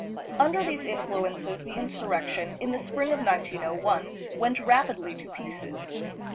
Under these influences, the insurrection, in the spring of 1901, went rapidly to pieces.